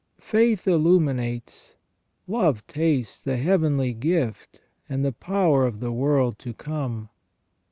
Faith illuminates, love tastes the heavenly gift, and the power of the world to come.